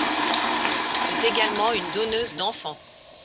C’est également une donneuse d’enfants.